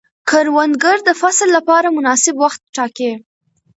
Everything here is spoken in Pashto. کروندګر د فصل لپاره مناسب وخت ټاکي